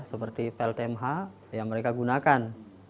seperti pltmh yang mereka gunakan